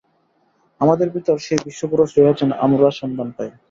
আমাদের ভিতর সেই বিশ্বপুরুষ রহিয়াছেন, আমরা সন্ধান পাই।